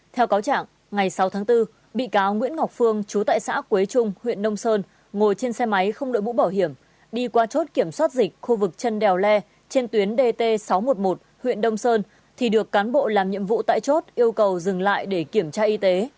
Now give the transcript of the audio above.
theo cáo trạng ngày sáu tháng bốn bị cáo nguyễn ngọc phương chú tại xã quế trung huyện nông sơn ngồi trên xe máy không đội mũ bảo hiểm đi qua chốt kiểm soát dịch khu vực chân đèo le trên tuyến dt sáu trăm một mươi một huyện đông sơn thì được cán bộ làm nhiệm vụ tại chốt yêu cầu dừng lại để kiểm tra y tế